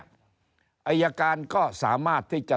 อายการก็สามารถที่จะ